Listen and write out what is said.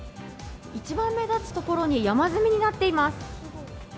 一番目立つところに山積みになっています。